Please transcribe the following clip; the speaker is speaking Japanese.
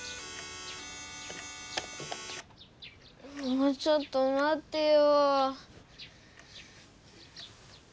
もうちょっとまってよ。